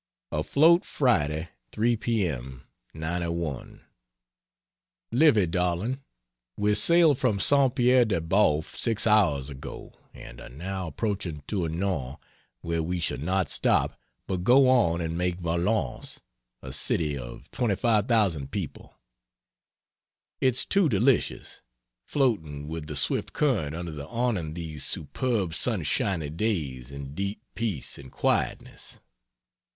AFLOAT, Friday, 3 p.m., '91. Livy darling, we sailed from St. Pierre de Boef six hours ago, and are now approaching Tournon, where we shall not stop, but go on and make Valence, a City Of 25,000 people. It's too delicious, floating with the swift current under the awning these superb sunshiny days in deep peace and quietness.